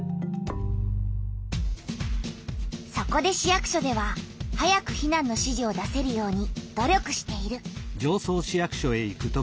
そこで市役所では早く避難の指示を出せるように努力している。